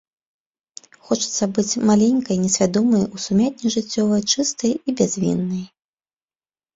Хочацца быць маленькай, несвядомай у сумятні жыццёвай, чыстай і бязвіннай.